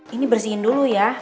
ini bersihin dulu ya